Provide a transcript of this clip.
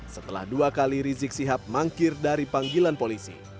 setelah dua kali rizik sihab mangkir dari panggilan polisi